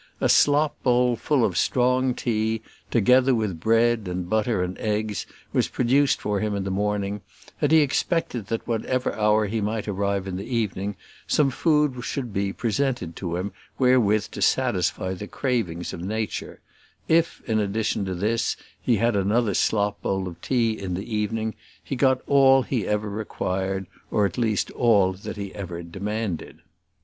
A slop bowl full of strong tea, together with bread, and butter, and eggs, was produced for him in the morning, and he expected that at whatever hour he might arrive in the evening, some food should be presented to him wherewith to satisfy the cravings of nature; if, in addition to this, he had another slop bowl of tea in the evening, he got all that he ever required, or all, at least, that he ever demanded.